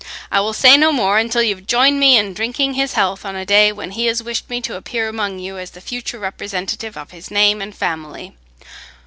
I will say no more, until you have joined me in drinking his health on a day when he has wished me to appear among you as the future representative of his name and family."